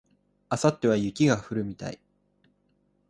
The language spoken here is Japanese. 明後日は雪が降るみたい